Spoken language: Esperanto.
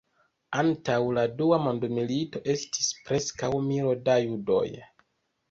Antaŭ la Dua Mondmilito estis preskaŭ milo da judoj.